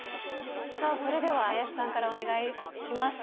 さあそれでは林さんからお願いします。